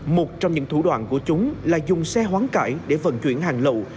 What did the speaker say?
một trong những thủ đoạn của chúng là dùng xe hoán cải để vận chuyển hàng lậu